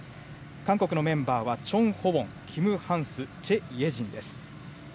韓国のメンバーはチョン・ホウォン、キム・ハンスチェ・イェジンです。